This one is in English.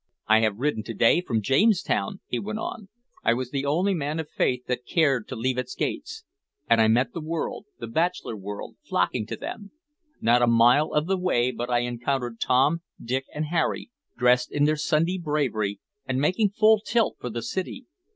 "I have ridden to day from Jamestown," he went on. "I was the only man, i' faith, that cared to leave its gates; and I met the world the bachelor world flocking to them. Not a mile of the way but I encountered Tom, Dick, and Harry, dressed in their Sunday bravery and making full tilt for the city.